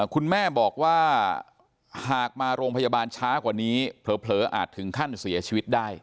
คุณแม่บอกว่าหากมาโรงพยาบาลช้ากว่านี้เผลออาจถึงขั้นเสียชีวิตได้